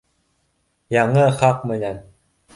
Яңы хаҡ менән